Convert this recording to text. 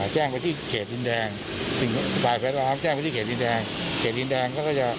แจ้งไปที่เขตดินแดง